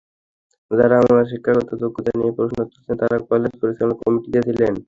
যাঁরা আমার শিক্ষাগত যোগ্যতা নিয়ে প্রশ্ন তুলেছেন, তাঁরা কলেজ পরিচালনা কমিটিতে ছিলেন।